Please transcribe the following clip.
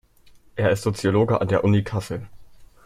Er ist Soziologe an der Uni Kassel.